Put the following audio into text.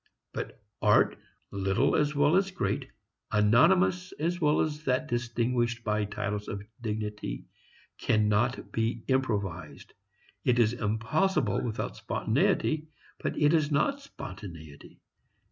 But art, little as well as great, anonymous as well as that distinguished by titles of dignity, cannot be improvised. It is impossible without spontaneity, but it is not spontaneity.